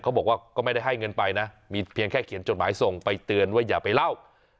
บอกว่าก็ไม่ได้ให้เงินไปนะมีเพียงแค่เขียนจดหมายส่งไปเตือนว่าอย่าไปเล่า